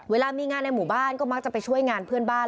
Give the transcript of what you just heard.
เวลามีงานในหมู่บ้านก็มักจะไปช่วยงานเพื่อนบ้าน